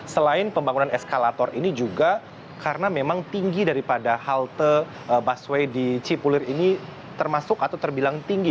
selain pembangunan eskalator ini juga karena memang tinggi daripada halte busway di cipulir ini termasuk atau terbilang tinggi